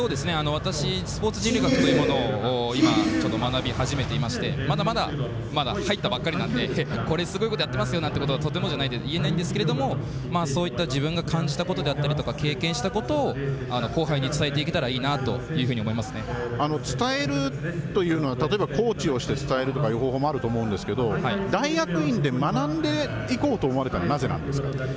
私スポーツ人類学というものを学び始めていましてまだまだ入ったばっかりなんですごいことやってますよとかはとてもじゃないけど言えないんですけども自分が感じたことだったり経験したことを後輩に伝えていけたらいいな伝えるというのは例えばコーチをして伝えるとかという方法もあると思うんですけど大学院で学んでいこうと思われたのはなぜなんですか？